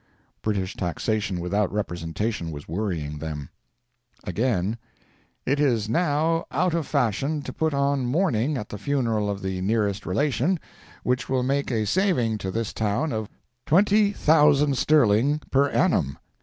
British taxation without representation was worrying them. Again: "It is now out of fashion to put on mourning at the funeral of the nearest relation, which will make a saving to this town of twenty thousand sterling per annum.